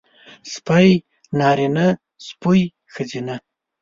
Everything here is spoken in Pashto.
سپی نارينه سپۍ ښځينۀ